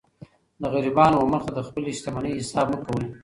د غریبانو و مخ ته د خپلي شتمنۍ حساب مه کوئ!